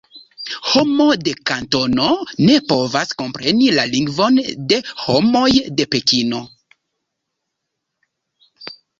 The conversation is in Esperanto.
Homo de Kantono ne povas kompreni la lingvon de homoj de Pekino.